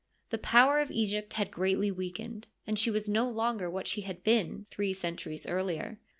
The power of Egypt had ereatly weakened, ana she was no longer what she had been three centuries earlier.